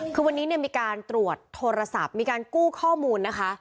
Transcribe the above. คือวันนี้มีการตรวจโทรศัพท์มีการกู้ข้อมูลนะคะ